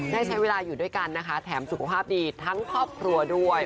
ได้ใช้เวลาอยู่ด้วยกันนะคะแถมสุขภาพดีทั้งครอบครัวด้วย